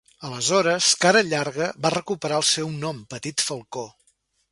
Aleshores, "Cara Llarga" va recuperar el seu nom "Petit Falcó".